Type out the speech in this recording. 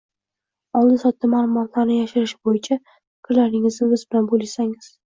oldi-sotdi maʼlumotlarini yashirish boʻyicha fikrlaringizni biz bilan boʻlishsangiz.